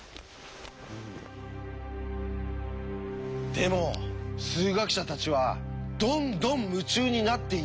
でも数学者たちはどんどん夢中になっていったっていうんですよ。